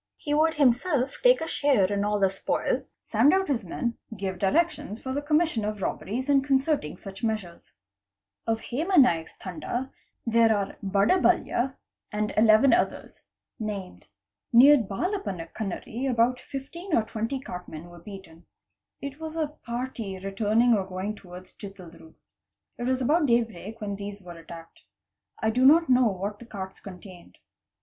He would himself take a share in all the poil, send out his men, give directions for the commission of robberies 764 THEFT and concerting such measures. Of Hema Naik's Tanda, there are Bada Balya, and 11 others (named). Near Bhalappana Kanave about 15 or 20 cartmen were beaten. It was a party returning or going towards Chitaldroog. It was about daybreak when these were attacked. I do not know what the carts contained.